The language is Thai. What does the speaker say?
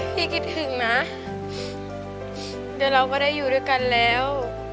คิดถึงนะเดี๋ยวเราก็ได้อยู่ด้วยกันแล้ว